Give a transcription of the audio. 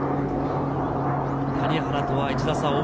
谷原とは１打差で追う